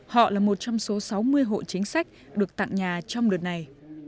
họ là một trong số sáu mươi hộ chính sách được tặng nhà trong đợt này